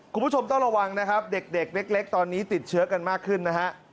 คุณผู้ชมต้องระวังนะครับเด็กเล็กตอนนี้ติดเชื้อกันมากขึ้นนะฮะ